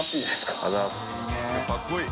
かっこいい。